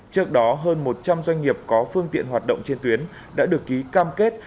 trước đó hơn một trăm linh doanh nghiệp có phương tiện hoạt động trên tuyến đã được ký cam kết